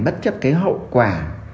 bất chấp cái hậu quả